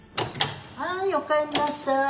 はいおかえんなさい。